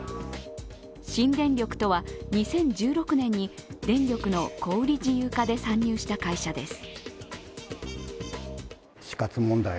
新電力とは、２０１６年に電力の小売り自由化で参入した会社です。